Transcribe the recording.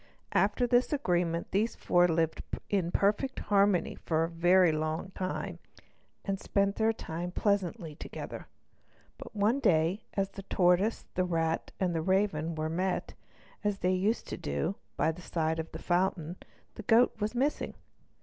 After this agreement these four friends lived in perfect harmony for a very long time, and spent their time pleasantly together. But one day, as the tortoise, the rat, and the raven were met, as they used to do, by the side of the fountain, the goat was missing.